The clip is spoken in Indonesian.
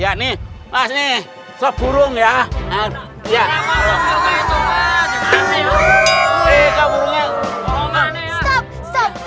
ya nih nih seburung ya ya